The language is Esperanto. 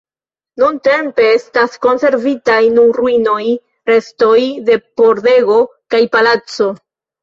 Nuntempe estas konservitaj nur ruinoj, restoj de pordego kaj palaco.